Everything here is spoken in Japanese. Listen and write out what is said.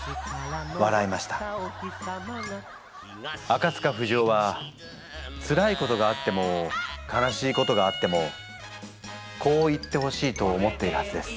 あかつかふじおはつらいことがあっても悲しいことがあってもこう言ってほしいと思っているはずです。